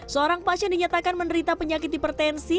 seorang pasien dinyatakan menderita penyakit hipertensi